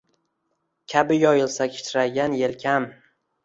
Kabi yoyilsa kichraygan yelkam